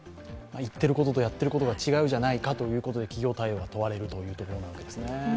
言っていることとやっていることが違うということで、企業対応を問われるところですね。